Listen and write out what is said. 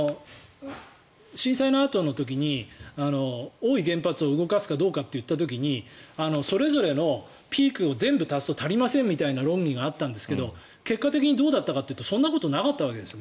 震災のあとの時に、大飯原発を動かすかどうかという時にそれぞれのピークを全部足すと足りませんという論議があったんですけど結果的にどうだったかというとそんなことなかったわけです。